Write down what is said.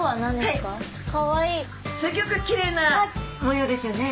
すギョくきれいな模様ですよね！